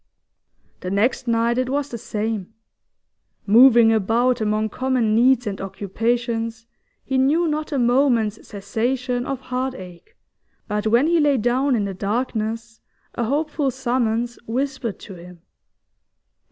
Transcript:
The next night it was the same. Moving about among common needs and occupations, he knew not a moment's cessation of heart ache, but when he lay down in the darkness a hopeful summons whispered to him.